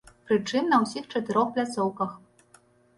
Пры чым на ўсіх чатырох пляцоўках.